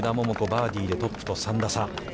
バーディーで、トップと３打差。